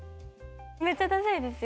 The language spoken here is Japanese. めっちゃダサいですよ。